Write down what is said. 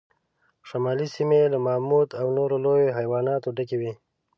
شمالي سیمې له ماموت او نورو لویو حیواناتو ډکې وې.